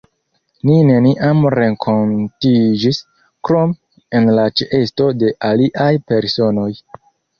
Ni neniam renkontiĝis, krom en la ĉeesto de aliaj personoj.